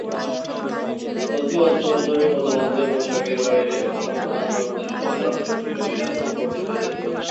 চলতি অর্থবছরের প্রথমার্ধে পোশাকের বাইরে অন্য প্রধান রপ্তানি পণ্যের অনেকগুলোর ঋণাত্মক প্রবৃদ্ধি হয়েছে।